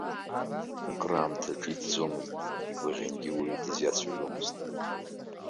Акраамҭагьы ҿиҭӡомызт, игәаӷьынгьы уаҩ дызиацәажәомызт.